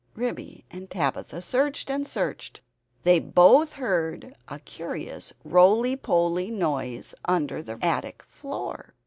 Ribby and Tabitha searched and searched. They both heard a curious roly poly noise under the attic floor.